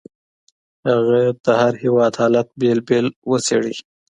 هغه د هر هېواد حالت بېل بېل وڅېړه.